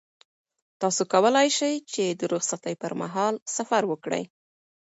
تاسو کولای شئ چې د رخصتۍ پر مهال سفر وکړئ.